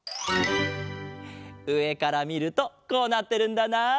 うえからみるとこうなってるんだなあ。